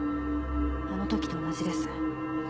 あの時と同じです。